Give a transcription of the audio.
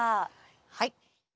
はい。